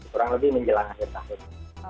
kurang lebih menjelang akhir tahun